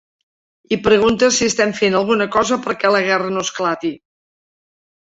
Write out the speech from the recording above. I preguntes si estem fent alguna cosa perquè la guerra no esclati.